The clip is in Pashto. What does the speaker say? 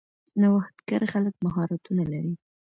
نوښتګر خلک مهارتونه لري.